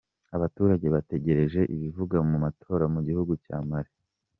Abaturage bategereje ibiva mu matora Mugihugu Cya Mali